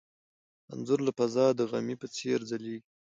انځور له فضا د غمي په څېر ځلېږي.